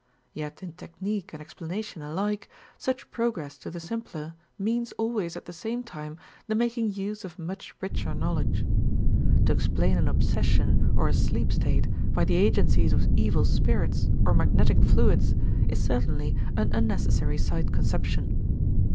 Yet in technique and explanation alike, such progress to the simpler means always at the same time the making use of much richer knowledge. To explain an obsession or a sleep state by the agencies of evil spirits or magnetic fluids is certainly an unnecessary side conception.